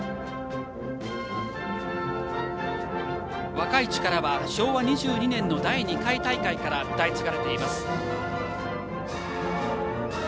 「若い力」は昭和２２年の第２回大会から歌い継がれています。